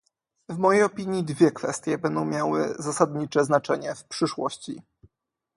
W mojej opinii dwie kwestie będą miały zasadnicze znaczenie w przyszłości